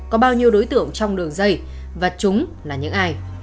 có bao nhiêu đối tượng trong đường dây và chúng là những ai